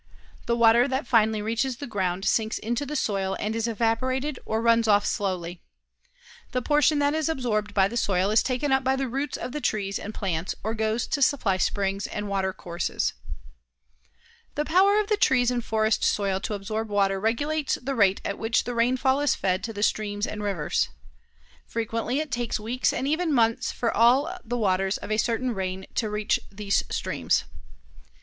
The water that finally reaches the ground sinks into the soil and is evaporated or runs off slowly. The portion that is absorbed by the soil is taken up by the roots of the trees and plants or goes to supply springs and watercourses. The power of the trees and forest soil to absorb water regulates the rate at which the rainfall is fed to the streams and rivers. Frequently it takes weeks and even months for all the waters of a certain rain to reach these streams.